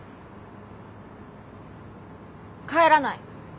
帰らない。